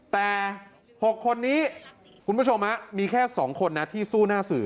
แต่๖คนนี้คุณผู้ชมมีแค่๒คนนะที่สู้หน้าสื่อ